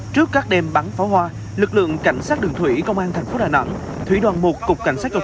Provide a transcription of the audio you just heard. trước các đêm bắn pháo hoa lực lượng cảnh sát đường thủy công an thành phố đà nẵng thủy đoàn một cục cảnh sát cộng